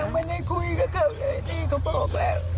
ไม่ได้คุยกับเขาเลยนี่เขาบอกแล้ว